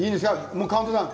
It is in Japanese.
もうカウントダウン。